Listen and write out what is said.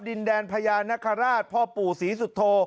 ดินแดนพญานคราชพ่อปู่ศรีสุโธ